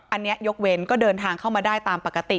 อันนี้ยกเว้นก็เดินทางเข้ามาได้ตามปกติ